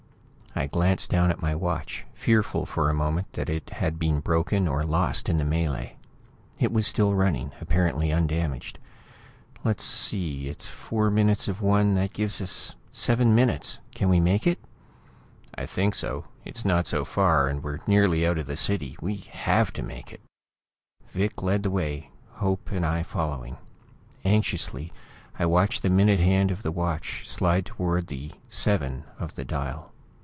I glanced down at my watch, fearful, for a moment, that it had been broken or lost in the melée. It was still running, apparently undamaged. "Let's see; it's four minutes of one. That gives us seven minutes. Can we make it?" "I think so. It's not so far, and we're nearly out of the city. We have to make it!" Vic led the way, Hope and I following. Anxiously, I watched the minute hand of the watch slide toward the "XII" of the dial